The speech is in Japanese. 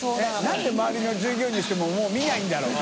┐何で周りの従業員の人ももう見ないんだろう？